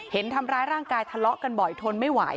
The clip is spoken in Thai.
เห็นทำร้ายร่างกายทะเลาะกันบ่อยทนไม่ไหว